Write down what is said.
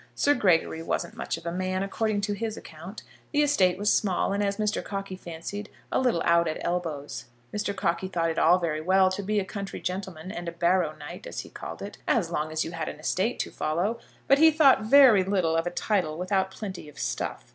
Sir Gregory wasn't much of a man, according to his account. The estate was small and, as Mr. Cockey fancied, a little out at elbows. Mr. Cockey thought it all very well to be a country gentleman and a "barrow knight," as he called it, as long as you had an estate to follow; but he thought very little of a title without plenty of stuff.